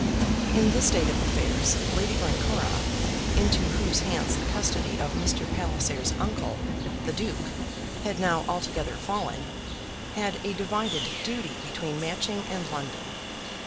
In this state of affairs Lady Glencora, into whose hands the custody of Mr. Palliser's uncle, the duke, had now altogether fallen, had a divided duty between Matching and London.